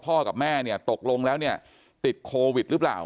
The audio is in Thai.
กับแม่เนี่ยตกลงแล้วเนี่ยติดโควิดหรือเปล่า